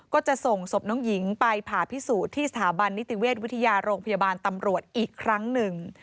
ก็จะส่งศพน้องหญิงไปผ่าพิสูจน์ที่สถาบันนิติเวชวิทยาโรงพยาบาลตำรวจอีกครั้งหนึ่ง